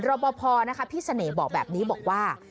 รบพอพี่เสน่ห์บอกแบบนี้บอกว่า